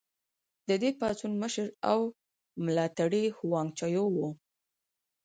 د دې پاڅون مشر او ملاتړی هوانګ چائو و.